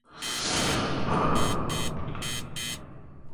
La película es distribuida en Japan por Tōhō.